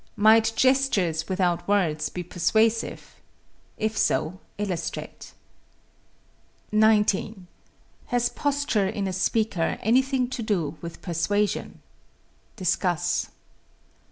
Might gestures without words be persuasive? If so, illustrate. 19. Has posture in a speaker anything to do with persuasion? Discuss.